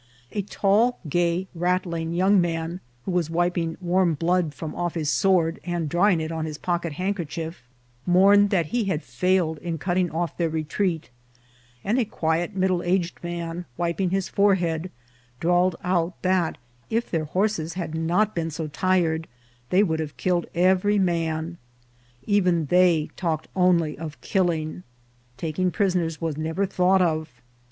A tall, gay, rattling young man, who was wiping warm blood from off his sword, and drying it on his pocket handkerchief, mourned that he had failed in cutting off their retreat ; and a quiet middle aged man, wiping his forehead, drawled out, that if their horses had not been so tired they would have killed every man. Even they talked only of killing ; taking prisoners was nev er thought of.